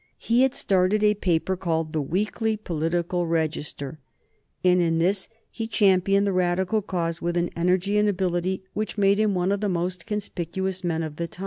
He had started a paper called The Weekly Political Register, and in this he championed the Radical cause with an energy and ability which made him one of the most conspicuous men of the time.